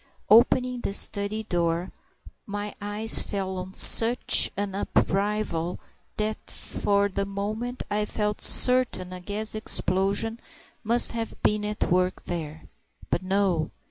Opening the study door, my eyes fell on such an upheaval that for the moment I felt certain a gas explosion must have been at work there. But no!